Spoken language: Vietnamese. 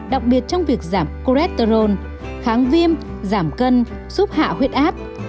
đặc biệt trong việc giảm cholesterol kháng viêm giảm cân xúc hạ huyết áp